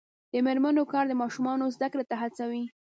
د میرمنو کار د ماشومانو زدکړې ته هڅوي.